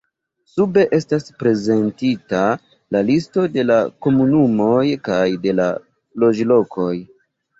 Sube estas prezentita la listo de la komunumoj kaj de la loĝlokoj.